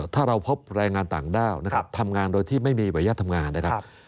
ถ้าเราพบแรงงานต่างด้าวนะครับทำงานโดยที่ไม่มีบรรยาททำงานนะครับ